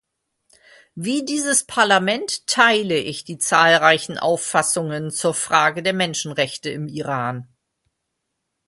Wie dieses Parlament teile ich die zahlreichen Auffassungen zur Frage der Menschenrechte im Iran.